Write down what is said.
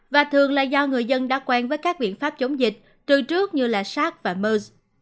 và thường là do người dân đã quen với các biện pháp chống dịch từ trước như sars và mers